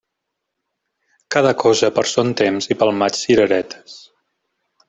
Cada cosa per son temps i pel maig cireretes.